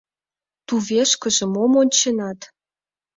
Тувешкыже мом онченат?